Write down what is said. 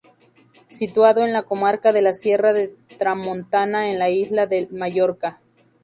Situado en la comarca de la Sierra de Tramontana en la isla de Mallorca.